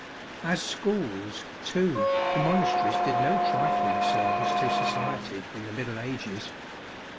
As schools, too, the monasteries did no trifling service to society in the Middle Ages.